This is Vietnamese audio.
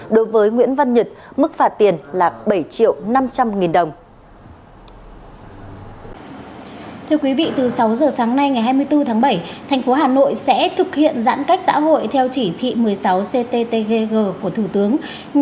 đối với nguyễn văn nhật mức phạt tiền là bảy triệu năm trăm linh nghìn đồng